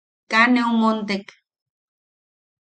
Kaa neu montek.